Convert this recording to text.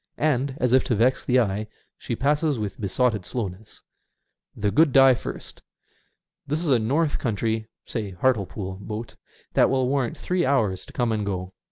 And, as if to vex the SEASIDE EFFECTS. 207 eye, she passes with hesotted slowness. " The good die first." This is a north country — say Hartlepool — boat, that will want three hours to come and go.